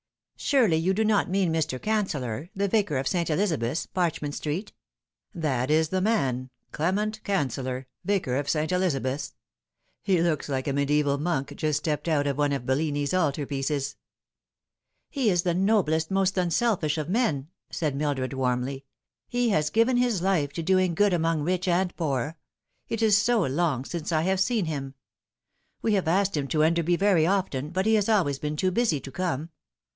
" Surely you do not mean Mr. Canceller, the Vicar of St. Elizabeth's, Parchment Street ?"" That is the man Clement Canceller, Vicar of St. Eliza beth's. He looks like a mediaeval monk just stepped out of one of Bellini's altar pieces." " He is the noblest, most unselfish of men," said Mildred warmly ;" he has given his life to doing good among rich and She cannot be Unworthy. 105 poor. It is so 2ong since I have seen him. We have asked him to Enderby very often, but he has always been too busy to come.